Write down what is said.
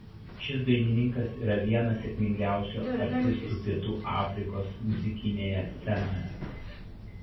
Šis dainininkas yra vienas sėkmingiausių artistų Pietų Afrikos muzikinėje scenoje.